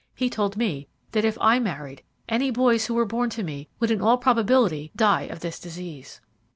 He told me that if I married, any boys who were born to me would in all probability die of this disease.